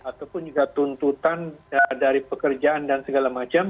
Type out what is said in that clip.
ataupun juga tuntutan dari pekerjaan dan segala macam